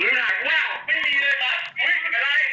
อะไรอ่ะนาการเงินทางไหนอ่ะ